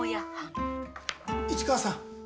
市川さん！